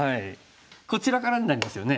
こちらからになりますよね。